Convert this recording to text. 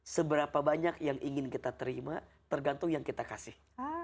seberapa banyak yang ingin kita terima tergantung yang kita kasih